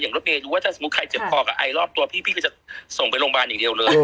รถเมย์ดูว่าถ้าสมมุติใครเจ็บคอกับไอรอบตัวพี่พี่ก็จะส่งไปโรงพยาบาลอย่างเดียวเลย